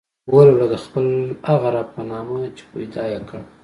ولوله د خپل هغه رب په نامه چې پيدا يې کړ.